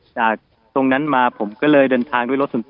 จากตรงนั้นมาผมก็เลยเดินทางด้วยรถส่วนตัว